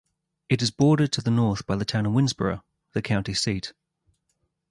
It is bordered to the north by the town of Winnsboro, the county seat.